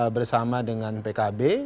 bersama dengan pkb